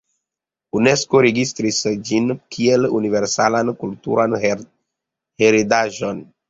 Unesko registris ĝin kiel universalan kulturan heredaĵon.